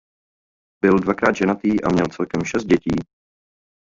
Byl dvakrát ženatý a měl celkem šest dětí.